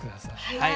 はい。